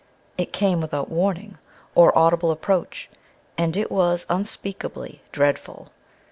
It came without warning, or audible approach; and it was unspeakably dreadful.